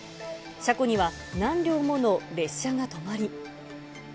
車庫には何両もの列車が止まり。